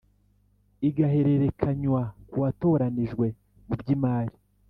Igaherekanywa ku watoranijwe mu by imari